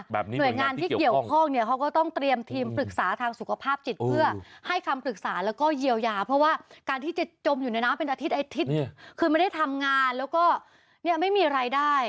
หน่วยงานที่เกี่ยวข้องเนี่ยเขาก็ต้องเตรียมทีมปรึกษาทางสุขภาพจิตเพื่อให้คำปรึกษาแล้วก็เยียวยาเพราะว่าการที่จะจมอยู่ในน้ำเป็นอาทิตยอาทิตย์คือไม่ได้ทำงานแล้วก็เนี่ยไม่มีรายได้